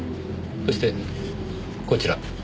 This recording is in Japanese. そしてこちら。